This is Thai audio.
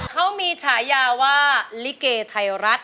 เขามีฉายาว่าลิเกไทยรัฐ